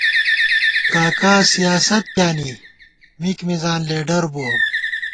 کا کا سیاست پیانی ، مِک مزان لیڈر بُوَہ